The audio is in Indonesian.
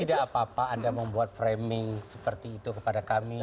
tidak apa apa anda membuat framing seperti itu kepada kami